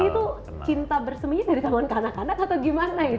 jadi itu cinta berseminya dari taman kanak kanak atau gimana itu bang ijek